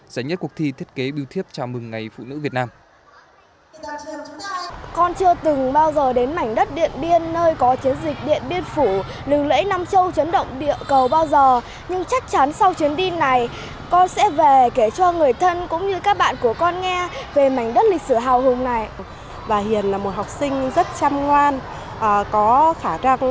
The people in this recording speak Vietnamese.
giải nhất cuộc thi thiết kế biêu thiếp chào mừng ngày phụ nữ việt nam